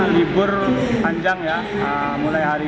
libur panjang ya mulai hari ini